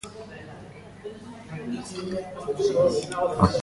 Hala ere, sua kontrolpean dute.